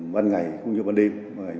ban ngày cũng như ban đêm